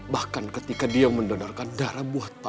bahkan ketika dia mendonorkan darah buat pak